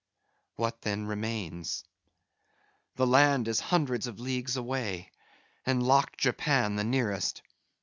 What, then, remains? The land is hundreds of leagues away, and locked Japan the nearest.